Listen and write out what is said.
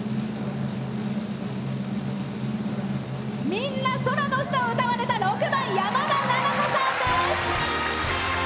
「みんな空の下」を歌われた６番、やまださんです。